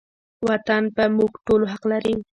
وطن په موږ ټولو حق لري